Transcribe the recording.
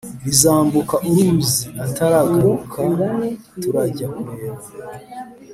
nizambuka uruzi ataragaruka turajya kureba"